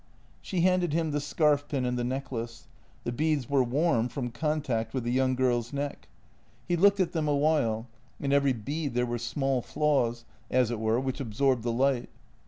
She handed him the scarf pin and the necklace. The beads were warm from contact with the young girl's neck. He looked JENNY 24 at them a while; in every bead there were small flaws, as it were, which absorbed the light.